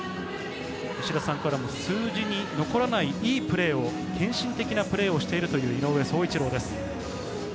石田さんからも数字に残らないいいプレーを献身的なプレーをしているという井上宗一郎です。